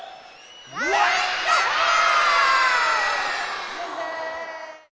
ワンダホー！